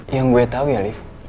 yang gue tau ya liv